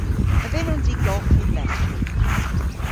A vynnons i golghi an lestri?